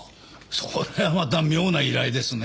それはまた妙な依頼ですね。